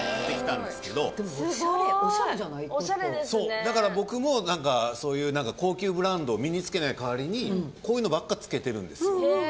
そうだから僕も何かそういう高級ブランドを身に着けない代わりにこういうのばっか着けてるんです。